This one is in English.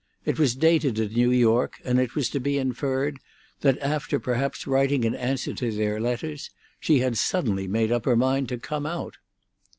It was dated at New York, and it was to be inferred that after perhaps writing in answer to their letters, she had suddenly made up her mind to come out.